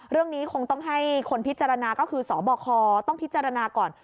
เรื่องนี้คงต้องให้คนพิจารณาก็คือสบคต้องพิจารณาก่อน